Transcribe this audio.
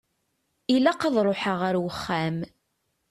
Ilaq ad ṛuḥeɣ ar uxxam.